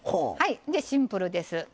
シンプルです。